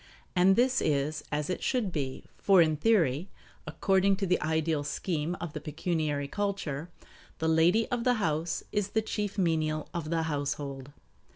And this is as it should be; for in theory, according to the ideal scheme of the pecuniary culture, the lady of the house is the chief menial of the household.